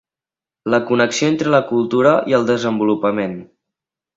La connexió entre la cultura i el desenvolupament.